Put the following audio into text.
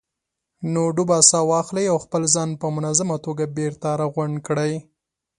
نو ډوبه ساه واخلئ او خپل ځان په منظمه توګه بېرته راغونډ کړئ.